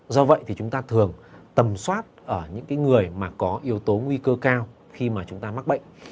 do vậy thì chúng ta thường tầm soát ở những người mà có yếu tố nguy cơ cao khi mà chúng ta mắc bệnh